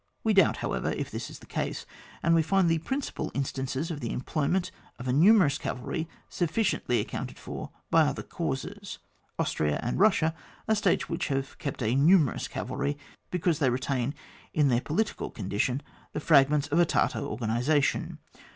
We doubt, however, if this is the case, and we find the principal instances of the employment of a numerous cavalry suffi ciently accounted for by other causes. Austria and Kussia are states which have kept up a numerous cavalry, because they retain in their political condition the fragments of a Tartar organisation.